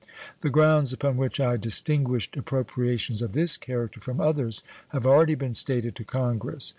The grounds upon which I distinguished appropriations of this character from others have already been stated to Congress.